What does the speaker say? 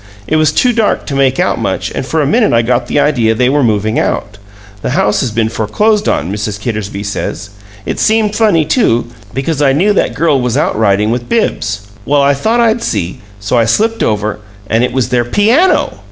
It was too dark to make out much, and for a minute I got the idea they were moving out the house has been foreclosed on, Mrs. Kittersby says. It seemed funny, too, because I knew that girl was out riding with Bibbs. Well, I thought I'd see, so I slipped over and it was their PIANO!